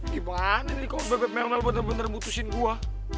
gimana nih kalau bebet melnal benar benar mutusin gue